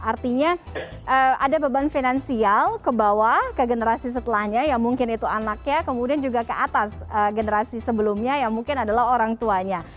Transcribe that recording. artinya ada beban finansial ke bawah ke generasi setelahnya ya mungkin itu anaknya kemudian juga ke atas generasi sebelumnya yang mungkin adalah orang tuanya